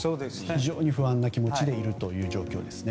非常に不安な気持ちでいるという状況ですね。